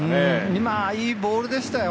今、いいボールでしたよ。